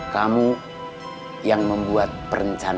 kamu yang membuat perencanaan